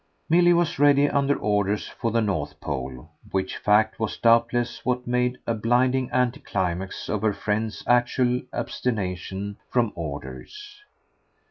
Milly was ready, under orders, for the North Pole; which fact was doubtless what made a blinding anticlimax of her friend's actual abstention from orders.